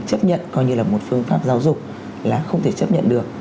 chấp nhận coi như là một phương pháp giáo dục là không thể chấp nhận được